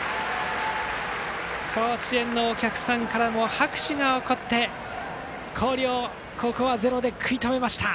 甲子園のお客さんからも拍手が起こって広陵、ここはゼロで食い止めました。